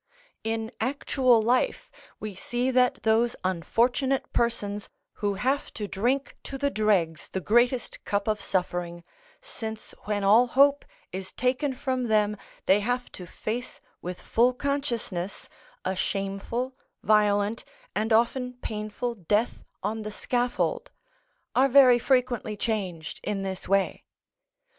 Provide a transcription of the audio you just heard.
In actual life we see that those unfortunate persons who have to drink to the dregs the greatest cup of suffering, since when all hope is taken from them they have to face with full consciousness a shameful, violent, and often painful death on the scaffold, are very frequently changed in this way.